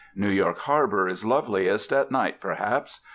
New York Harbour is loveliest at night perhaps.